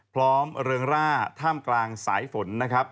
พร้อมเริงร่าถ้ามกลางสายฝุ่นนะครับ